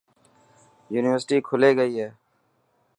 يونيورسٽي کلي گئي هي.